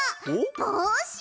ぼうし！